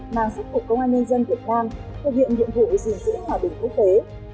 mang sắc cục công an nhân dân việt nam thực hiện nhiệm vụ gìn giữ hòa bình quốc tế